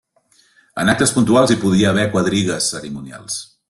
En actes puntuals hi podia haver quadrigues cerimonials.